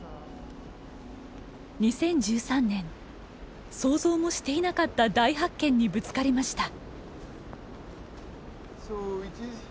２０１３年想像もしていなかった大発見にぶつかりました。